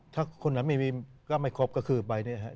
ถ้าคนนั้นไม่มีก็ไม่ครบก็คือใบนี้ครับ